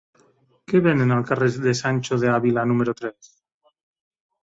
Què venen al carrer de Sancho de Ávila número tres?